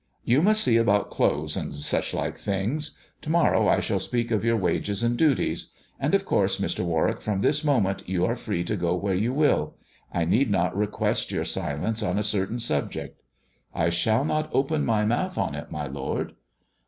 You must see about clothes and such like things. To morrow I shall speak of your wages and duties ; and, of course, Mr. Warwick, from this moment you are free to go where you will. I need not request your silence on a certain subject." " I shall not open my mouth on it, my lord."